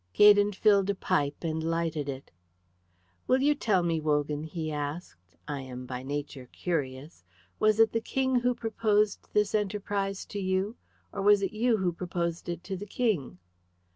Gaydon filled a pipe and lighted it. "Will you tell me, Wogan," he asked, "I am by nature curious, was it the King who proposed this enterprise to you, or was it you who proposed it to the King?"